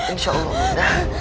insya allah bunda